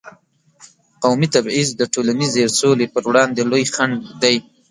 قومي تبعیض د ټولنیزې سولې پر وړاندې لوی خنډ دی.